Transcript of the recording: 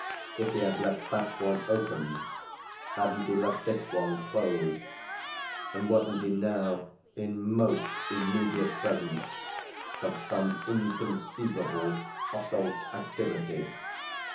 If he had left that one open, hadn't he left this one closed, and wasn't he now in most immediate presence of some inconceivable occult activity?